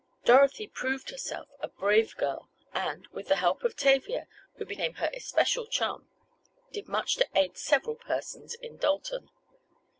Dorothy proved herself a brave girl, and, with the help of Tavia, who became her especial chum, did much to aid several persons in Dalton.